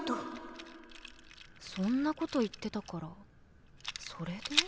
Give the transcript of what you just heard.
そんな事言ってたからそれで？